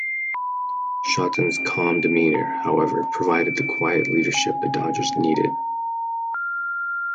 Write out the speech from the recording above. Shotton's calm demeanor, however, provided the quiet leadership the Dodgers needed.